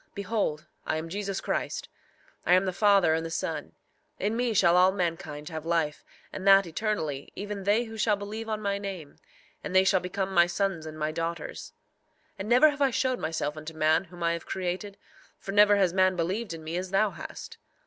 Behold, I am Jesus Christ. I am the Father and the Son. In me shall all mankind have life, and that eternally, even they who shall believe on my name; and they shall become my sons and my daughters. 3:15 And never have I showed myself unto man whom I have created, for never has man believed in me as thou hast.